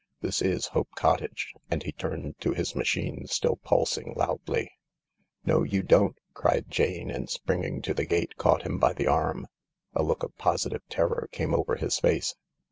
This is Hope Cottage," and he turned to his machine still pulsing loudly. " No you don't !" cried Jane,' and, springing to the gate, caught him by the arm. A look of positive terror came over his face.